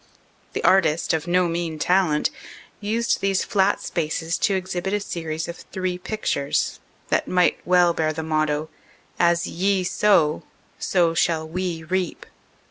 The artist, of no mean talent, used these flat spaces to exhibit a series of three pictures that might well bear the motto: "As YE sow so shall WE reap."